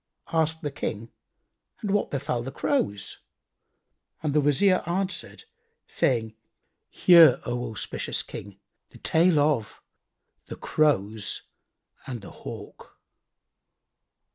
Asked the King, "And what befel the Crows?"; and the Wazir answered saying, "Hear, O auspicious King, the tale of The Crows and the Hawk.